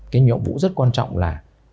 cái nhiệm vụ rất quan trọng là